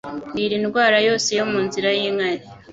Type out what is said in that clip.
mbwira Indwara yose yo mu nzira y'inkari